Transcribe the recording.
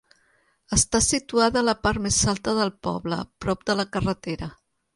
Està situada a la part més alta del poble, prop de la carretera.